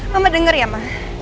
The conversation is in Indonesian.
mama denger ya mah